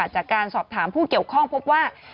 จากการสอบถามผู้เกี่ยวข้องพบว่า